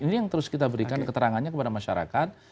ini yang terus kita berikan keterangannya kepada masyarakat